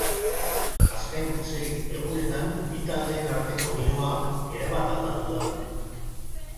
Azken sei egunetan bi taldeen arteko giroa erabat aldatu da.